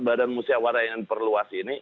badan musyawara yang perluas ini